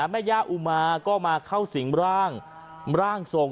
แม่ย่าอุมาก็มาเข้าสิงร่างทรง